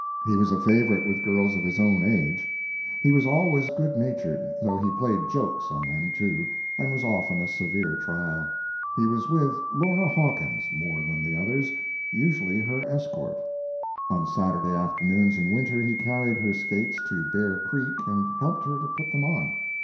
He was a favorite with girls of his own age. He was always good natured, though he played jokes on them, too, and was often a severe trial. He was with Laura Hawkins more than the others, usually her escort. On Saturday afternoons in winter he carried her skates to Bear Creek and helped her to put them on.